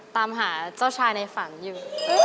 ตามหาเจ้าชายในฝันอยู่